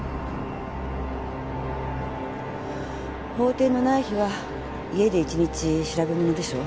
法廷のない日は家で一日調べものでしょ。